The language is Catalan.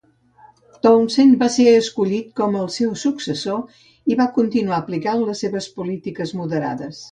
Townsend va ser escollit con el seu successor i va continuar aplicant les seves polítiques moderades.